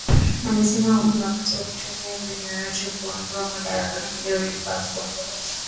amesema huu ni wakti wa kutumia mbinu yoyote kumuondoa madarakani lauren bagbo